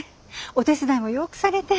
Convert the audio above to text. お手伝いもよくされて。